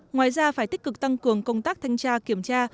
ngoài ra phải tích cực tăng cường công tác thanh tra kiểm tra